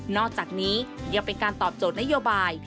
อกจากนี้ยังเป็นการตอบโจทย์นโยบาย